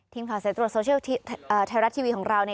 ทีมข่าวเศรษฐ์ตรวจโซเชียลไทยรัฐทีวีของเรา